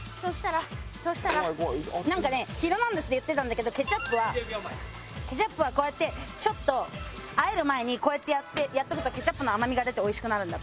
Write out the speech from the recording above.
なんかね『ヒルナンデス！』で言ってたんだけどケチャップはケチャップはこうやってちょっと和える前にこうやってやっとくとケチャップの甘みが出ておいしくなるんだって。